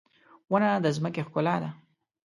• ونه د ځمکې ښکلا ده.